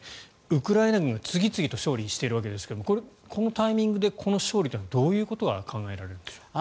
ウクライナ軍が次々と勝利しているわけですがこのタイミングでこの勝利はどういうことが考えられるのでしょうか。